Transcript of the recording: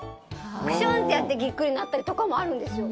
クシュンってやってぎっくりになったりとかもあるんですよ。